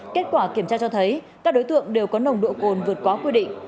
kết quả kiểm tra cho thấy các đối tượng đều có nồng độ cồn vượt quá quy định